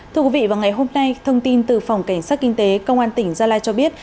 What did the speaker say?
thưa quý vị vào ngày hôm nay thông tin từ phòng cảnh sát kinh tế công an tỉnh gia lai cho biết